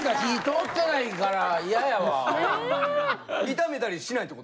炒めたりしないってこと？